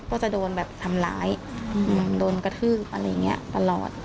ก็จะโดนแบบทำร้ายโดนกระทืบอะไรอย่างนี้ตลอด